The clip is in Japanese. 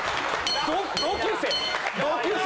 同級生。